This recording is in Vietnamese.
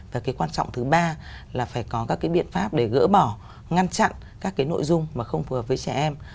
và quan trọng thứ ba là phải có các biện pháp để gỡ bỏ ngăn chặn các nội dung mà không phù hợp với trẻ em